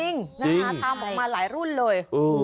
นะคะตามออกมาหลายรุ่นเลย